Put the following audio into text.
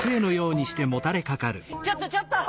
ちょっとちょっと！